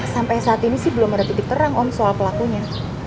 sampai saat ini sih belum ada titik terang om soal pelakunya